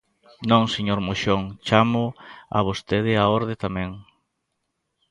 Non, señor Moxón, chámoo a vostede á orde tamén.